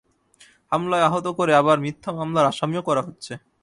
হামলায় আহত করে আবার মিথ্যা মামলার আসামিও করা হচ্ছে।